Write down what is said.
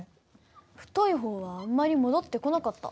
太い方はあんまり戻ってこなかった。